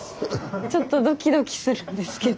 ちょっとドキドキするんですけど。